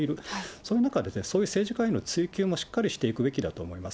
その中で、そういう政治家への追及もしっかりしていくべきだと思います。